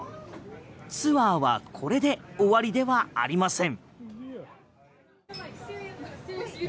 ツアーはこれで終わりではありません。